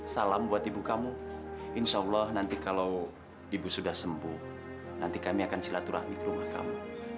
salam buat ibu kamu insya allah nanti kalau ibu sudah sembuh nanti kami akan silaturahmi ke rumah kamu